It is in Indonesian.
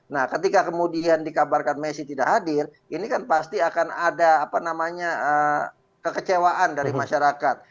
nah ketika kemudian dikabarkan messi tidak hadir ini kan pasti akan ada kekecewaan dari masyarakat